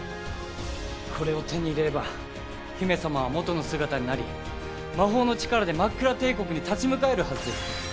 これを手に入れれば姫様は元の姿になり魔法の力でマックラ帝国に立ち向かえるはずです。